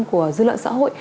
của dư luận xã hội